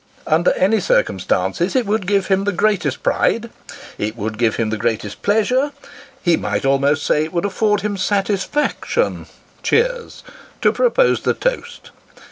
" Under any circum stances, it would give him the greatest pride, it would give him the greatest pleasure he might almost say, it would afford him satisfaction [cheers] to propose that toast.